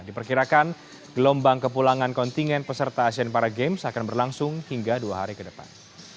diperkirakan gelombang kepulangan kontingen peserta asean para games akan berlangsung hingga dua hari ke depan